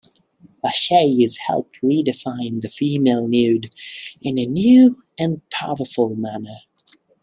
Lachaise helped redefine the female nude in a new and powerful manner.